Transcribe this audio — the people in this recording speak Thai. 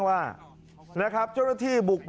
อำเภอโพธาราม